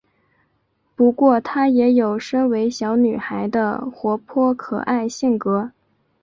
不过她也有身为小女孩的活泼可爱性格。